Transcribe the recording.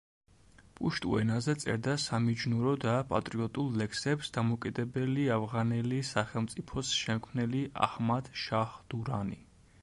პუშტუ ენაზე წერდა სამიჯნურო და პატრიოტულ ლექსებს დამოუკიდებელი ავღანელი სახელმწიფოს შემქმნელი აჰმად-შაჰ დურანი.